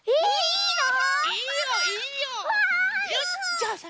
よしじゃあさ